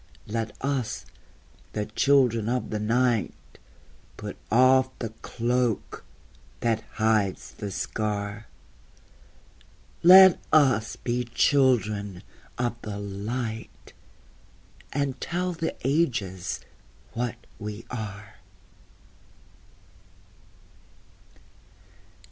Let us, the Children of the Night, Put off the cloak that hides the scar! Let us be Children of the Light, And tell the ages what we are!